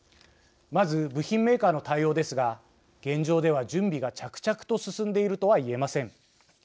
まず部品メーカーの対応ですが現状では準備が着々と進んでいるとは言えません。